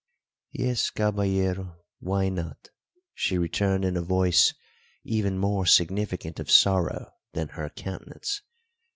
"Yes, caballero; why not?" she returned in a voice even more significant of sorrow than her countenance.